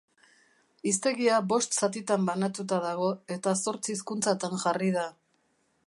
Hiztegia bost zatitan banatuta dago, eta zortzi hizkuntzatan jarri da.